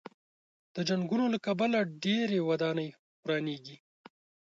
د جنګونو له کبله ډېرې ودانۍ ورانېږي.